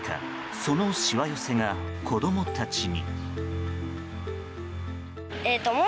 そのしわ寄せが子供たちに。